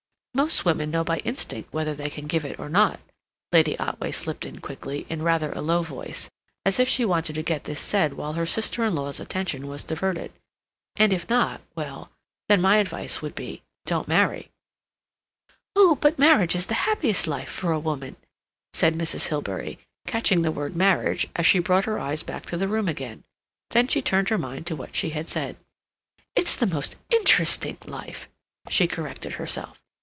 "Most women know by instinct whether they can give it or not," Lady Otway slipped in quickly, in rather a low voice, as if she wanted to get this said while her sister in law's attention was diverted. "And if not—well then, my advice would be—don't marry." "Oh, but marriage is the happiest life for a woman," said Mrs. Hilbery, catching the word marriage, as she brought her eyes back to the room again. Then she turned her mind to what she had said. "It's the most interesting life," she corrected herself.